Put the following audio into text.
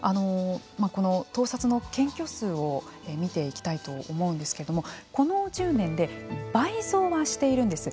この盗撮の検挙数を見ていきたいと思うんですけれどもこの１０年で倍増はしているんです。